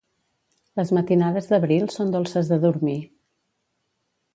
Les matinades d'abril són dolces de dormir.